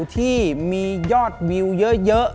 ที่มียอดวิวเยอะ